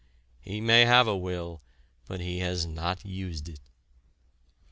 He may have a will, but he has not used it.